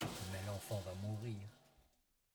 Mais l'enfant va mourir.